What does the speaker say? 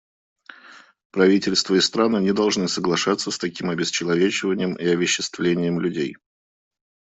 Правительства и страны не должны соглашаться с таким обесчеловечением и овеществлением людей.